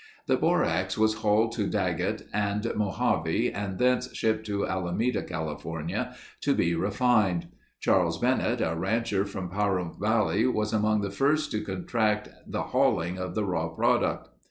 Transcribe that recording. The borax was hauled to Daggett and Mojave and thence shipped to Alameda, California, to be refined. Charles Bennett, a rancher from Pahrump Valley, was among the first to contract the hauling of the raw product.